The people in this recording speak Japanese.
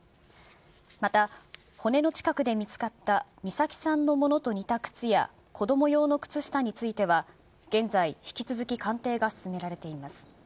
また骨の近くで見つかった美咲さんのものと似た靴や子ども用の靴下については現在、引き続き鑑定が進められています。